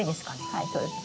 はいそうです。